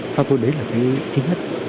thôi đấy là cái thứ nhất